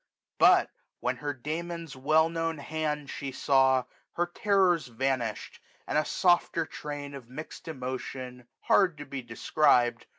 But, when her Damon's well known hand she saw. Her terrors vanished, and a softer train Of mixt emotions, hard to be described.